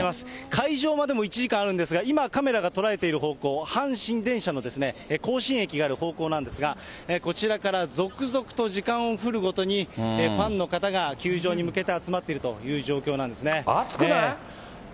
開場までも１時間あるんですが、今、カメラが捉えている方向、阪神電車の甲子園駅がある方向なんですが、こちらから続々と時間をふるごとに、ファンの方が球場に向けて集まっているという状況なんですね。